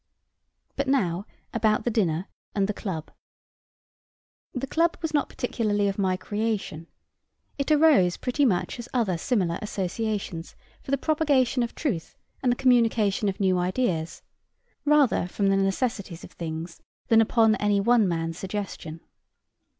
But now about the dinner and the club. The club was not particularly of my creation; it arose pretty much as other similar associations, for the propagation of truth and the communication of new ideas, rather from the necessities of things than upon any one man's suggestion.